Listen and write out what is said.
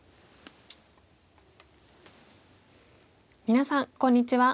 皆さんこんにちは。